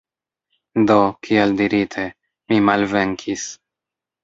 Do, kiel dirite, mi malvenkis.